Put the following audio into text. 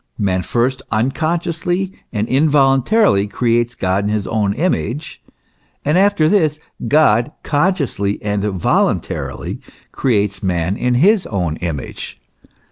Man first unconsciously and involun tarily creates God in his own image, and after this God con sciously and voluntarily creates man in his own image.